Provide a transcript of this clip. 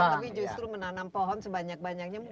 tapi justru menanam pohon sebanyak banyaknya mungkin